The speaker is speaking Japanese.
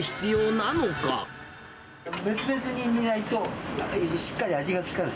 別々に煮ないと、しっかり味が付かない。